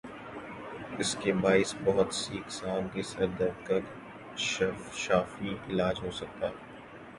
اسکے باعث بہت سی اقسام کے سر درد کا شافی علاج ہو سکتا ہے